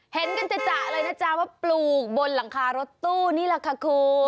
เห็นกันจะเลยนะจ๊ะว่าปลูกบนหลังคารถตู้นี่แหละค่ะคุณ